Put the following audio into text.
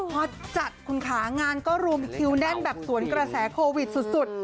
พอจัดคุณค่ะงานก็รวมคิวแน่นแบบสวนกระแสโควิดสุด